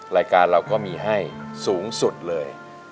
รายการเราก็มีให้สูงสุดเลย